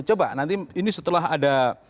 coba nanti ini setelah ada